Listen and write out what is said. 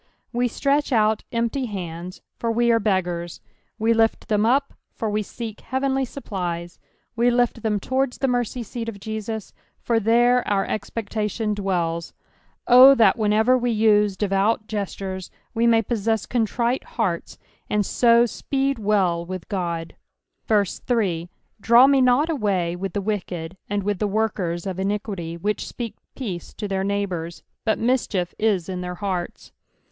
We stretch out empty hands, for we are beggars ; we lift ttiem up, for we seek heavenly supplies ; we lift them towards the merry seat of Jesus, for there our expectation dwells. O that whenever we use devout gestures, we may possess contrite hearts, and so speed well wltli Ood. 3 Draw me not away with the wicked, and with the workers of iniquity, which speak peace to their neighbours, but mischief is in their hearts.